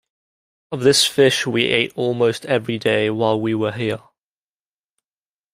Of this fish we ate almost every day while we were here.